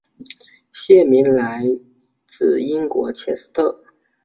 县名来自英国切斯特。